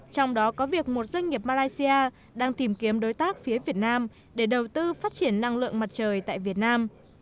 trong đó có việc một doanh nghiệp malaysia đang tìm kiếm đối tác phía việt nam để đầu tư phát triển năng lượng mặt trời tại việt nam